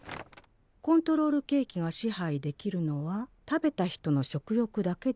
コントロールケーキが支配できるのは食べた人の食欲だけである。